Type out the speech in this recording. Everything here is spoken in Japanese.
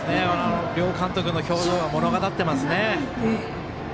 両監督の表情が物語っていますね。